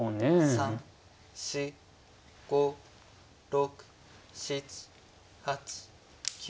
３４５６７８９。